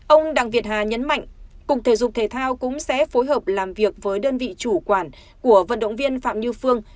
ông đặng việt hà nhấn mạnh cục thể dục thể thao cũng sẽ phối hợp làm việc với đơn vị chủ quản của vận động viên phạm như phương